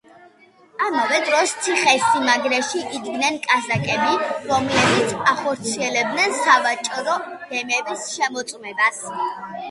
ამავე დროს ციხესიმაგრეში იდგნენ კაზაკები, რომლებიც ახორციელებდნენ სავაჭრო გემების შემოწმებას.